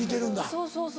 そうそうそう。